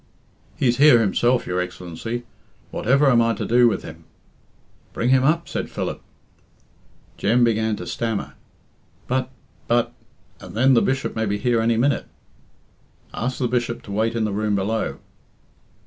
"He's here himself, your Excellency. Whatever am I to do with him?" "Bring him up," said Philip. Jem began to stammer. "But but and then the Bishop may be here any minute." "Ask the Bishop to wait in the room below."